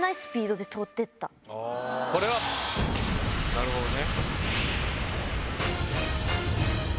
なるほどね。